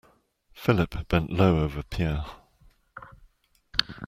Philip bent low over Pierre.